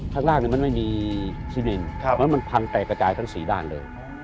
ข้างล่างมันไม่มีชินินมันพังแตกระจายทั้ง๔ด้านเลย